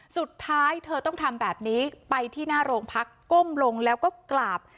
สุดท้ายเธอต้องทำแบบนี้ไปที่หน้าโรงพักก้มลงแล้วก็กราบ